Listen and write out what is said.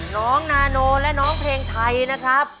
น้องนาโนและน้องเพลงไทยนะครับ